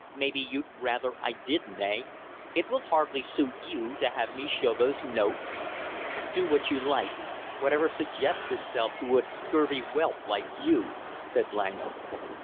"Maybe you'd rather I didn't, eh? It will hardly suit you to have me show those notes?" "Do what you like; whatever suggests itself to a scurvy whelp like you!" said Langham.